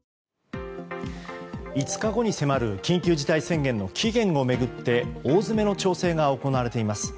５日後に迫る緊急事態宣言の期限を巡って大詰めの調整が行われています。